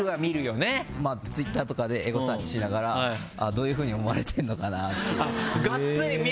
ツイッターとかでエゴサーチしながらどういうふうに思われてるのかなって。